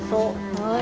はい。